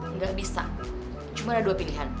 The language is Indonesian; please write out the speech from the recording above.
nggak bisa cuma ada dua pilihan